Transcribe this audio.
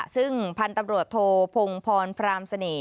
ซึ่งพันธุ์ตำรวจโทพงพรพรามเสน่ห